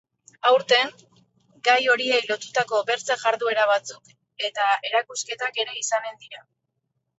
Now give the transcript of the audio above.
Aurten gai horiei lotutako bertze jarduera batzuk eta erakusketak ere izanen dira.